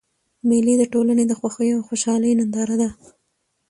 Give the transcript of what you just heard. مېلې د ټولني د خوښیو او خوشحالۍ ننداره ده.